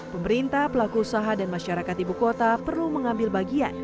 pemerintah pelaku usaha dan masyarakat ibu kota perlu mengambil bagian